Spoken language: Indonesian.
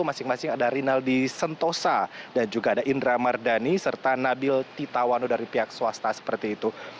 masing masing ada rinaldi sentosa dan juga ada indra mardani serta nabil titawano dari pihak swasta seperti itu